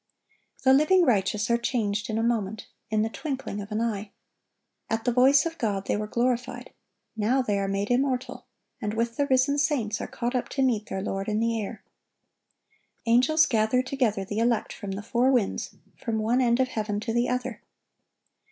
The living righteous are changed "in a moment, in the twinkling of an eye." At the voice of God they were glorified; now they are made immortal, and with the risen saints are caught up to meet their Lord in the air. Angels "gather together the elect from the four winds, from one end of heaven to the other."